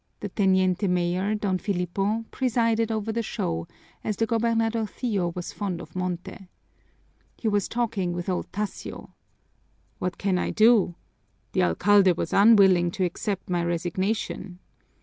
The teniente mayor, Don Filipo, presided over the show, as the gobernadorcillo was fond of monte. He was talking with old Tasio. "What can I do? The alcalde was unwilling to accept my resignation.